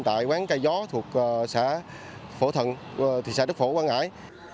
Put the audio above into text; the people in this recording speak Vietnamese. tại quán cây gió thuộc thị xã đức phổ quang ngãi